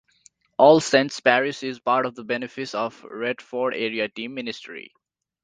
All Saints' parish is part of the Benefice of Retford Area Team Ministry.